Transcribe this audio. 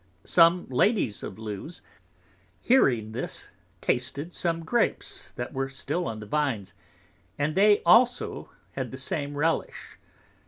Some Ladies of Lewes hearing this, tasted some Grapes that were still on the Vines, and they also had the same relish.